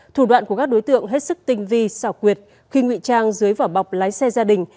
thủ đoạn của các đối tượng hết sức tinh vi xảo quyệt khi ngụy trang dưới vỏ bọc lái xe gia đình